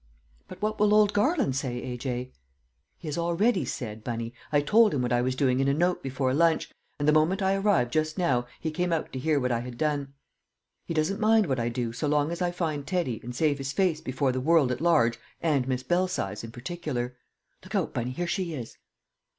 "But what will old Garland say, A. J.?" "He has already said, Bunny. I told him what I was doing in a note before lunch, and the moment I arrived just now he came out to hear what I had done. He doesn't mind what I do so long as I find Teddy and save his face before the world at large and Miss Belsize in particular. Look out, Bunny here she is!"